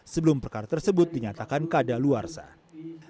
sebelum perkara tersebut dinyatakan keadaan luar sah